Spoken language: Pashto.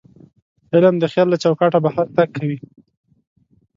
علم د خیال له چوکاټه بهر تګ کوي.